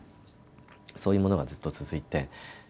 そういうものがずっと続いて。